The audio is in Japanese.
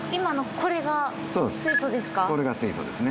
これが水素ですね。